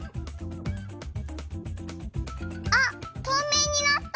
あとうめいになった！